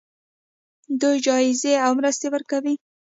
دوی جایزې او مرستې ورکوي.